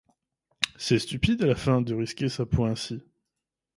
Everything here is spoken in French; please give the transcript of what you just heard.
C'est stupide à la fin, de risquer sa peau ainsi!